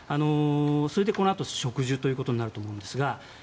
それで、このあと植樹ということになると思うんですが